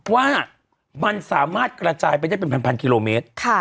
ว่ามันสามารถกระจายไปได้เป็นพันกิโลเมตร